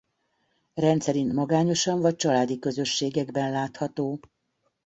Rendszerint magányosan vagy családi közösségekben látható.